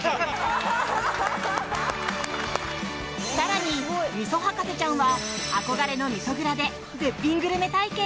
更に、みそ博士ちゃんは憧れのみそ蔵で絶品グルメ体験。